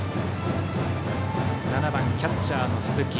７番キャッチャーの鈴木。